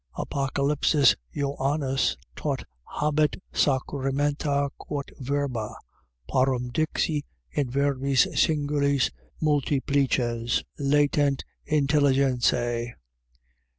Apocalypsis Joannis tot habet Sacramenta quot verba parum dixi, in verbis singulis multiplices latent intelligentiae.